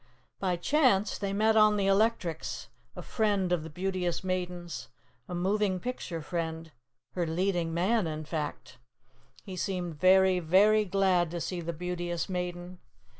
By chance, they met on the electrics a friend of the Beauteous Maiden's, a moving picture friend, her leading man, in fact. He seemed very, very glad to see the Beauteous Maiden.